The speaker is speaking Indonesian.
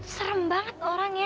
serem banget orangnya